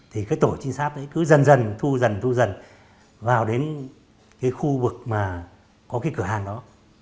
thì cái tổ trinh sáp ấy cứ dần dần thu dần thu dần vào đến cái khu vực mà có cái cửa hang đó